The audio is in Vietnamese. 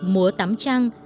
múa tắm trăng